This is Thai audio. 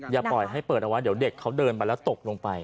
อย่าปล่อยให้เปิดเอาไว้เดี๋ยวเด็กเขาเดินไปแล้วตกลงไป